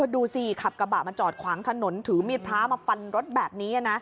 ดูสิขับกระบะมาจอดขวางถนนถือมีดพระมาฟันรถแบบนี้นะ